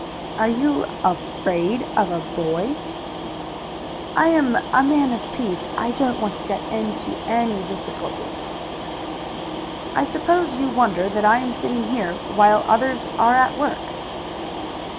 "Are you afraid of a boy?" "I am a man of peace. I don't want to get into any difficulty." "I suppose you wonder that I am sitting here while others are at work."